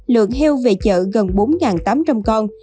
lượng heo về chợ gần bốn tám trăm linh con